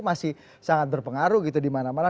masih sangat berpengaruh gitu di mana mana